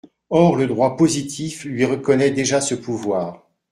Or le droit positif lui reconnaît déjà ce pouvoir.